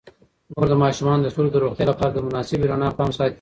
مور د ماشومانو د سترګو د روغتیا لپاره د مناسب رڼا پام ساتي.